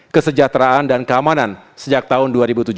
kesejahteraan dan keamanan sejak tahun dua ribu tujuh belas